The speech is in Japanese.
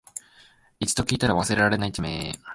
一度聞いたら忘れられない地名